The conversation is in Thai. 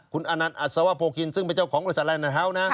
คุณอนันต์อัศวโพคินซึ่งเป็นเจ้าของบริษัทแลนดนาเฮาส์นะ